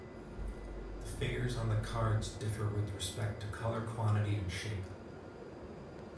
The figures on the cards differ with respect to color, quantity, and shape.